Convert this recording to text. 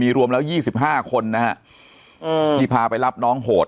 รวมแล้ว๒๕คนนะฮะที่พาไปรับน้องโหด